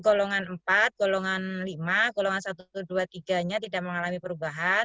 golongan empat golongan lima golongan satu dua tiga nya tidak mengalami perubahan